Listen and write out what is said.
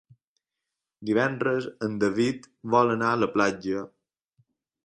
Divendres en David vol anar a la platja.